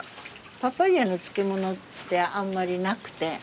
パパイアの漬物ってあんまりなくて。